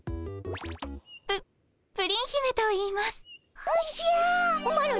ププリン姫といいます。